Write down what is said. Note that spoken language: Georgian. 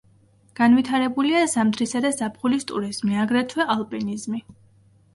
განვითარებულია ზამთრისა და ზაფხულის ტურიზმი აგრეთვე ალპინიზმი.